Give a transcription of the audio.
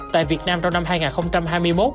tại việt nam trong năm hai nghìn hai mươi một